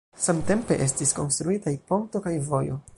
Samtempe estis konstruitaj ponto kaj vojo.